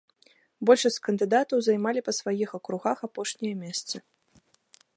Большасць кандыдатаў займалі па сваіх акругах апошнія месцы.